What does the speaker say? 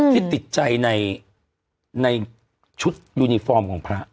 ที่ติดใจในชุดยูนิฟอร์มของพระ